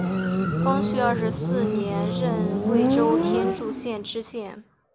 光绪二十四年任贵州天柱县知县。